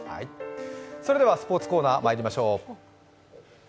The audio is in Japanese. それではスポーツコーナーまいりましょう。